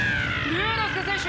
竜之介選手